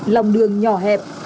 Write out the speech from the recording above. lòng đường nhỏ hẹp